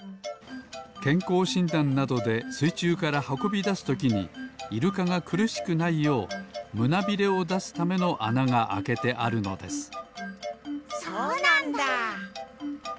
けんこうしんだんなどですいちゅうからはこびだすときにイルカがくるしくないようむなびれをだすためのあながあけてあるのですそうなんだ！